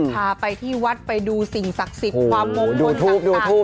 พาไปที่วัดไปดูสิ่งศักดิ์ศิษย์ความมงงลงต่างดูทูปดูทูป